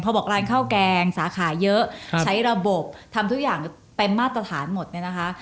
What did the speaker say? พอบอกร้านข้าวแกงสาขาเยอะใช้ระบบทำทุกอย่างเต็มมาตรฐานหมดเนี่ยนะคะ